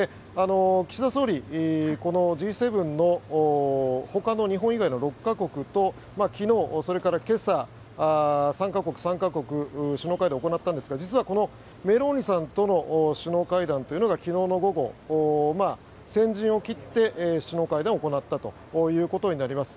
岸田総理、このＧ７のほかの日本以外の６か国と昨日、それから今朝３か国、３か国で首脳会談を行ったんですが実は、このメローニさんとの首脳会談というのが昨日の午後先陣を切って首脳会談を行ったということになります。